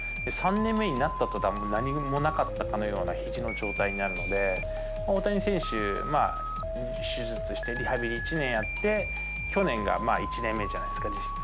３年目になったとたん、もう何もなかったかのようなひじの状態になるので、大谷選手、手術してリハビリ１年やって、去年が１年目じゃないですか、実質。